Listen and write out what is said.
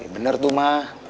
bener tuh ma